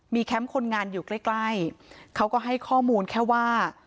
แคมป์คนงานอยู่ใกล้ใกล้เขาก็ให้ข้อมูลแค่ว่า